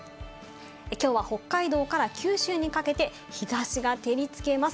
きょうは北海道から九州にかけて日差しが照りつけます。